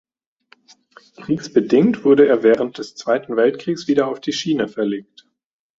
Kriegsbedingt wurde er während des Zweiten Weltkriegs wieder auf die Schiene verlegt.